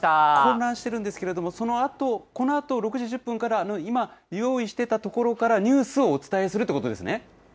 若干混乱してるんですけども、このあと６時１０分からの今、用意していた所から、ニュースをお伝えするということですね？